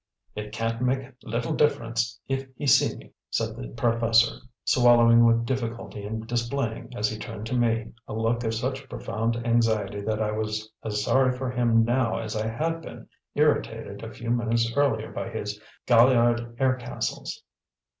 "It can't make little difference if he see me," said the professor, swallowing with difficulty and displaying, as he turned to me, a look of such profound anxiety that I was as sorry for him now as I had been irritated a few minutes earlier by his galliard air castles.